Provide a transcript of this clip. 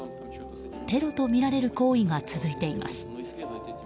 テロとみられる行為が続いています。